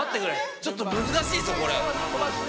ちょっと難しいぞこれ。